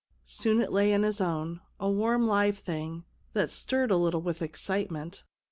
Soon it lay in his own, a warm live thing, that stirred a little with excitement.